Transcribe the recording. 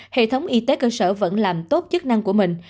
hệ thống y tế cơ sở vẫn làm tốt chức năng của mình